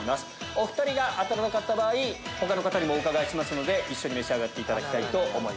お２人が当たらなかった場合他の方にもお伺いしますので一緒に召し上がっていただきます。